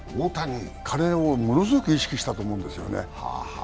彼をものすごく意識したと思うんですよね。